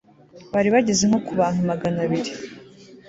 bari bageze nko ku bantu magana abiri